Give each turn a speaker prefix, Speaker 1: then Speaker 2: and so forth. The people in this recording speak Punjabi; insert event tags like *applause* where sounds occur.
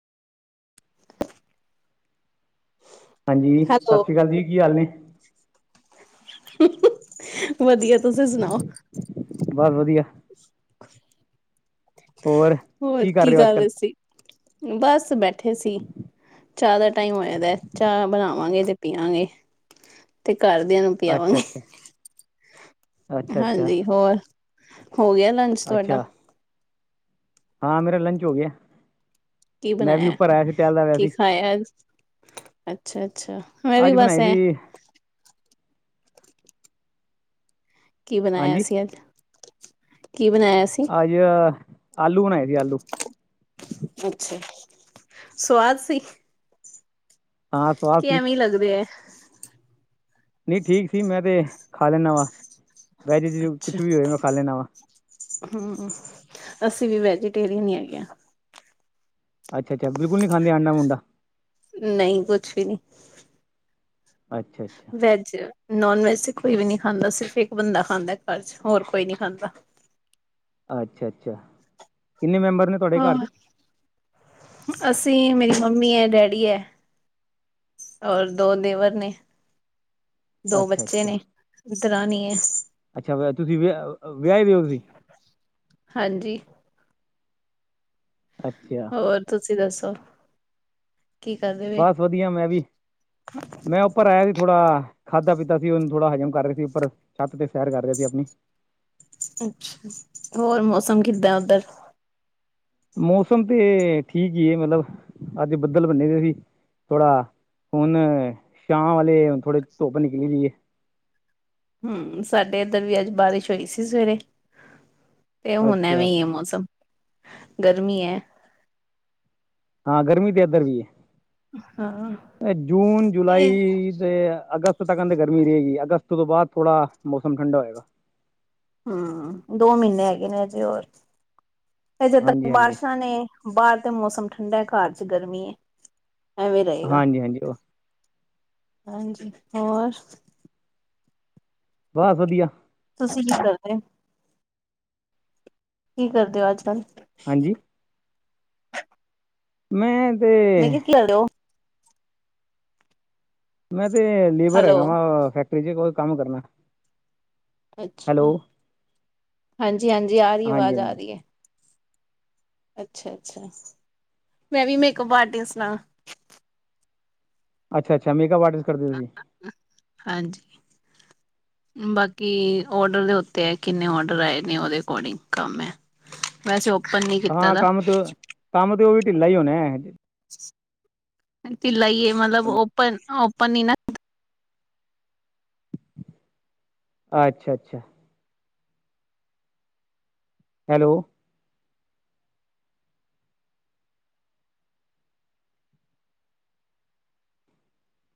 Speaker 1: ਹਾਂਜੀ
Speaker 2: ਹੈਲੋ,
Speaker 1: ਸਤਿ ਸ੍ਰੀ ਅਕਾਲ ਜੀ, ਕੀ ਹਾਲ ਨੇ?
Speaker 2: ਵਧੀਆ, ਤੁਸੀਂ ਸੁਣਾਓ?
Speaker 1: ਬਸ ਵਧੀਆ। ਹੋਰ
Speaker 2: ਹੋਰ ਕੀ
Speaker 1: ਹੋ ਅੱਜ
Speaker 2: ਕਰ ਰਹੇ
Speaker 1: ਕੱਲ੍ਹ
Speaker 2: ਸੀ? ਬਸ ਬੈਠੇ ਸੀ, ਚਾਹ ਦਾ ਟਾਈਮ ਹੋਇਆ ਦਾ ਚਾਹ ਬਣਾਵਾਂਗੇ ਤੇ ਪੀਆਂਗੇ ਤੇ ਘਰਦਿਆਂ ਨੂੰ
Speaker 1: ਅੱਛਾ
Speaker 2: ਪਿਆਵਾਂਗੇ
Speaker 1: ਅੱਛਾ। ਅੱਛਾ ਅੱਛਾ
Speaker 2: ਹਾਂਜੀ, ਹੋਰ ਹੋ ਗਿਆ ਲੰਚ ਤੁਹਾਡਾ?
Speaker 1: ਅੱਛਾ ਹਾਂ ਮੇਰੇ ਲੰਚ ਹੋ ਗਿਆ।
Speaker 2: ਕੀ
Speaker 1: ਮੈਂ ਵੀ
Speaker 2: ਬਣਾਇਆ,
Speaker 1: ਉੱਪਰ ਆਇਆ ਸੀ ਟਹਿਲਦਾ ਪਿਆ
Speaker 2: ਕੀ
Speaker 1: ਸੀ
Speaker 2: ਖਾਇਆ ਅੱਜ? ਅੱਛਾ ਅੱਛਾ ਮੈਂ ਵੀ
Speaker 1: ਅੱਜ
Speaker 2: ਬਸ
Speaker 1: ਬਣਾਏ
Speaker 2: ਐਂ
Speaker 1: ਸੀ
Speaker 2: ਕੀ ਬਣਾਇਆ
Speaker 1: ਹਾਂਜੀ
Speaker 2: ਸੀ ਅੱਜ, ਕੀ ਬਣਾਇਆ ਸੀ?
Speaker 1: ਆਜ ਆਲੂ ਬਣਾਏ ਸੀ ਆਲੂ।
Speaker 2: ਅੱਛਾ, ਸਵਾਦ ਸੀ?
Speaker 1: ਹਾਂ ਸਵਾਦ
Speaker 2: ਕਿ
Speaker 1: ਸੀ
Speaker 2: ਐਵੇਂ ਲੱਗਦੇ ਐ?
Speaker 1: ਨਹੀਂ ਠੀਕ ਸੀ ਮੈਂ ਤੇ ਖਾ ਲੈਨਾ ਵਾਂ, ਵੈਜ ਚ ਕੁਛ ਵੀ ਹੋਏ ਮੈਂ ਖਾ ਲੈਨਾ ਵਾਂ।
Speaker 2: ਹੂੰ ਹੂੰ ਅਸੀਂ ਵੀ ਵੈਜੀਟੇਰੀਅਨ ਈ ਹੈਗੇ ਆ।
Speaker 1: ਅੱਛਾ ਅੱਛਾ ਬਿਲਕੁਲ ਨੀ ਖਾਂਦੇ ਆਂਡਾ ਊਂਨਡਾ?
Speaker 2: ਨਹੀਂ ਕੁਛ ਵੀ ਨਹੀਂ।
Speaker 1: ਅੱਛਾ ਅੱਛਾ।
Speaker 2: ਵੈਜ, ਨੋਨ ਵੈਜ ਤੇ ਕੋਈ ਵੀ ਨੀ ਖਾਂਦਾ ਸਿਰਫ ਇੱਕ ਬੰਦਾ ਖਾਂਦਾ ਘਰ ਚ ਹੋਰ ਕੋਈ ਨੀ ਖਾਂਦਾ।
Speaker 1: ਅੱਛਾ ਅੱਛਾ ਕਿੰਨੇ ਮੈਂਬਰ ਨੇ ਤੁਹਾਡੇ ਘਰ
Speaker 2: ਹਾਂ
Speaker 1: ਚ?
Speaker 2: ਅਸੀਂ ਮੇਰੀ ਮੰਮੀ ਐ ਡੈਡੀ ਐ ਔਰ ਦੋ ਦੇਵਰ ਨੇ, ਦੋ
Speaker 1: ਅੱਛਾ
Speaker 2: ਬੱਚੇ
Speaker 1: ਅੱਛਾ
Speaker 2: ਨੇ, ਦਰਾਣੀ ਏ।
Speaker 1: ਅੱਛਾ ਤੁਸੀਂ ਵਿਆ ਵਿਆਹੇ ਦੇ ਹੋ ਤੁਸੀਂ?
Speaker 2: ਹਾਂਜੀ।
Speaker 1: ਅੱਛਾ।
Speaker 2: ਹੋਰ ਤੁਸੀਂ ਦੱਸੋ? ਕੀ ਕਰਦੇ ਪਏ?
Speaker 1: ਬਸ ਵਧੀਆ ਮੈਂ ਵੀ, ਮੈਂ ਉੱਪਰ ਆਇਆ ਸੀ ਥੋੜਾ ਖਾਂਦਾ ਪੀਤਾ ਸੀ, ਹੁਣ ਥੋੜ੍ਹਾ ਹਜ਼ਮ ਕਰ ਰਿਹਾ ਸੀ, ਉੱਪਰ ਛੱਤ ਤੇ ਸੈਰ ਕਰ ਰਿਹਾ ਸੀ ਆਪਣੀ।
Speaker 2: ਅੱਛਾ ਹੋਰ ਮੌਸਮ ਕਿੱਦਾਂ ਉੱਧਰ?
Speaker 1: ਮੌਸਮ ਤੇ ਠੀਕ ਹੀ ਏ, ਮਤਲਬ ਅੱਜ ਬੱਦਲ ਬਣੇ ਦੇ ਸੀ। ਥੋੜਾ ਹੁਣ ਸ਼ਾਮ ਵਾਲੇ ਥੋੜ੍ਹੀ ਧੁੱਪ ਨਿਕਲੀ ਹੋਈ ਏ।
Speaker 2: ਹੂੰ ਸਾਡੇ ਇੱਧਰ ਵੀ ਅੱਜ ਬਾਰਿਸ਼ ਹੋਈ ਸੀ ਸਵੇਰੇ। ਤੇ ਹੁਣ ਐਵੇਂ
Speaker 1: ਅੱਛਾ
Speaker 2: ਈ ਐ ਮੌਸਮ ਗਰਮੀ ਐ।
Speaker 1: ਹਾਂ ਗਰਮੀ ਤੇ ਇੱਧਰ ਵੀ ਏ।
Speaker 2: ਹਾਂ।
Speaker 1: ਐ ਜੂਨ
Speaker 2: ਇਹ
Speaker 1: ਜੁਲਾਈ ਅਤੇ ਅਗਸਤ ਤੱਕ ਕਹਿੰਦੇ ਗਰਮੀ ਰਹੇਗੀ, ਅਗਸਤ ਤੋਂ ਬਾਅਦ ਥੋੜ੍ਹਾ ਮੌਸਮ ਠੰਡਾ ਹੋਏਗਾ।
Speaker 2: ਹੂ ਦੋ ਮਹੀਨੇ ਹੈਗੇ ਨੇ ਅਜੇ ਹੋਰ, ਫੇਰ ਜਦ
Speaker 1: ਹਾਂਜੀ
Speaker 2: ਤੱਕ
Speaker 1: ਹਾਂਜੀ
Speaker 2: ਬਾਰਿਸ਼ਾਂ ਨੇ ਬਾਹਰ ਤੇ ਮੌਸਮ ਠੰਡਾ ਐ, ਘਰ ਚ ਗਰਮੀ ਐ ਐਵੇਂ ਰਹੇਗਾ।
Speaker 1: ਹਾਂਜੀ ਹਾਂਜੀ
Speaker 2: ਹਾਂਜੀ ਹੋਰ
Speaker 1: ਬ ਵਧੀਆ
Speaker 2: ਤੁਸੀਂ ਕੀ ਕਰਦੇ ਕੀ ਕਰਦੇ ਹੋ ਅੱਜ ਕੱਲ
Speaker 1: ਹਾਂਜੀ ਮੈਂ ਤੇ
Speaker 2: ਮੈਂ ਕਿਹਾ ਕਰਦੇ ਹੋ *unintelligible*
Speaker 1: ਮੈਂ ਤੇ ਲੇਬਰ
Speaker 2: ਹੈਲੋ
Speaker 1: ਹੈਗਾ ਵਾ ਫੈਕਟਰੀ ਚ ਕੋਈ ਕੰਮ ਕਰਨਾ
Speaker 2: ਅੱਛਾ
Speaker 1: ਹੈਲੋ
Speaker 2: ਹਾਂਜੀ ਹਾਂਜੀ ਆ ਰਹੀ
Speaker 1: ਹਾਂਜੀ
Speaker 2: ਆਵਾਜ਼ ਆ
Speaker 1: ਹਾਂਜੀ
Speaker 2: ਰਹੀ ਐ ਅੱਛਾ ਅੱਛਾ ਮੈਂ ਵੀ ਮੇਕਅਪ ਆਰਟਿਸਟ ਆਂ
Speaker 1: ਅੱਛਾ ਅੱਛਾ ਮੇਕਅਪ ਆਰਟਿਸਟ ਕਰਦੇ ਓ ਸ *unintelligible*
Speaker 2: ਹਾਂਜੀ ਬਾਕੀ ਔਡਰ ਦੇ ਉੱਤੇ ਐ ਕਿੰਨੇ ਔਡਰ ਆਏ ਨੇ ਉਹਦੇ ਅਕੋਰਡਿੰਗ ਕੰਮ ਐ ਵੈਸ ਓਪਨ ਨੀ
Speaker 1: ਹਾਂ ਕੰਮ ਤੇ ਕੰਮ ਤੇ ਉਹ ਵੀ ਢਿੱਲਾ ਹੀ ਹੋਣਾ ਐ
Speaker 2: ਢਿੱਲਾ ਹੀ ਏ ਮਲਬ ਓਪਨ ਓਪਨ ਨੀ ਨਾ
Speaker 1: ਅੱਛਾ ਅੱਛਾ ਹੈਲੋ